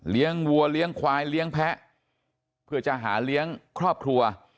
วัวเลี้ยงควายเลี้ยงแพ้เพื่อจะหาเลี้ยงครอบครัว